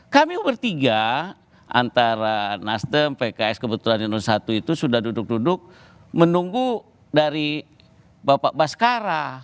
kami bertiga antara nasdem pks kebetulan yang satu itu sudah duduk duduk menunggu dari bapak baskara